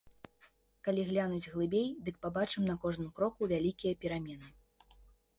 Калі глянуць глыбей, дык пабачым на кожным кроку вялікія перамены.